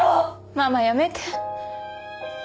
ママやめて。